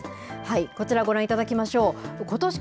こちらご覧いただきましょう。